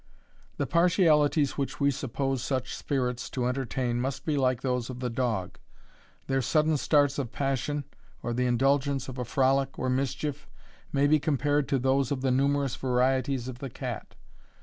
The partialities which we suppose such spirits to entertain must be like those of the dog; their sudden starts of passion, or the indulgence of a frolic, or mischief, may be compared to those of the numerous varieties of the cat.